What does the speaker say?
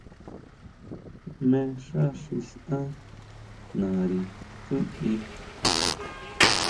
¿Jmé xá xi saʼen nari tsúti?